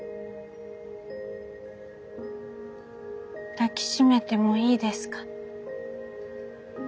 抱きしめてもいいですか？